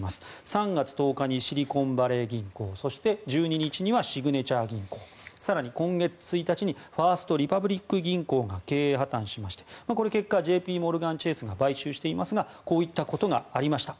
３月１０日にシリコンバレー銀行そして１２日にはシグネチャー銀行更に今月１日にファースト・リパブリック銀行が経営破たんしまして結果、ＪＰモルガン・チェースが買収していますがこういったことがありました。